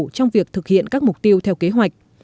trong việc thực hiện các mục tiêu theo kế hoạch